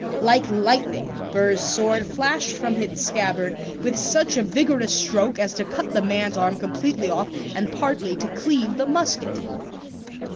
Like lightning Burr's sword flashed from its scabbard with such a vigorous stroke as to cut the man's arm completely off and partly to cleave the musket.